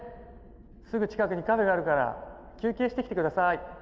すぐ近くにカフェがあるから休憩してきて下さい」。